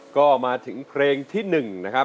ก็มาถึงเครงที่หนึ่งนะครับ